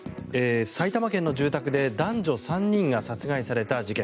埼玉県の住宅で男女３人が殺害された事件。